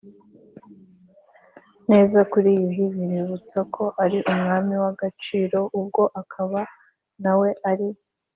neza kuri yuhi biributsa ko ari umwami w’igicaniro, ubwo akaba na we ari